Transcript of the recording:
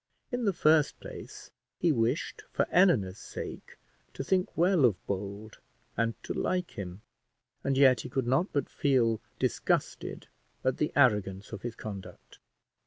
In the first place, he wished for Eleanor's sake to think well of Bold and to like him, and yet he could not but feel disgusted at the arrogance of his conduct.